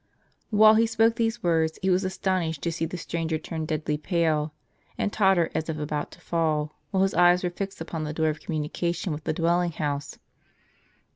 While he spoke these words, he was astonished to see the stranger turn deadly pale, and totter as if about to fall, while his eyes were fixed upon the door of communication with the dwelling house.